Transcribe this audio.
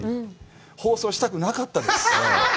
放送したくなかったです！